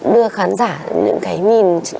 đưa khán giả những cái nhìn